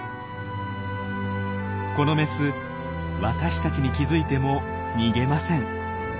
このメス私たちに気付いても逃げません。